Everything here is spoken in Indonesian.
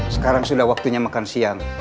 sekarang sudah waktunya makan siang